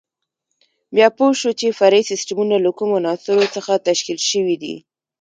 بیا پوه شو چې فرعي سیسټمونه له کومو عناصرو څخه تشکیل شوي دي.